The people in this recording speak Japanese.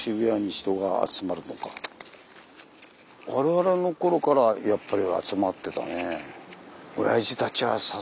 我々の頃からやっぱり集まってたねぇ。